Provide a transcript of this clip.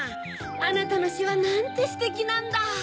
あなたのしはなんてステキなんだ。